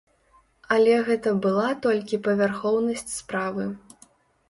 Але гэта была толькі павярхоўнасць справы.